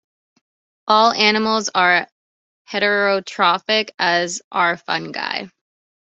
All animals are "heterotrophic", as are fungi.